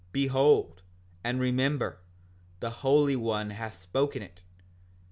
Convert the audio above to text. Behold, and remember, the Holy One hath spoken it.